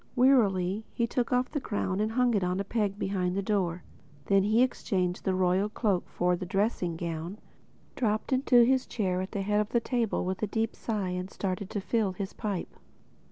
Wearily he took off his crown and hung it on a peg behind the door. Then he exchanged the royal cloak for the dressing gown, dropped into his chair at the head of the table with a deep sigh and started to fill his pipe.